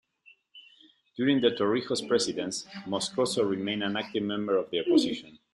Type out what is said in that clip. During the Torrijos presidency, Moscoso remained an active member of the opposition.